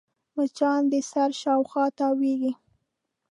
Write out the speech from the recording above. مچان د سر شاوخوا تاوېږي